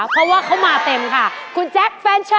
เพราะว่าเขามาเต็มค่ะคุณแจ๊คแฟนฉัน